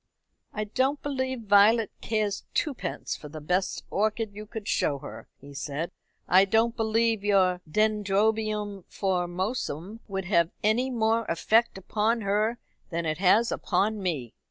"I don't believe Violet cares twopence for the best orchid you could show her," he said. "I don't believe your Dendrobium Formosum would have any more effect upon her than it has upon me."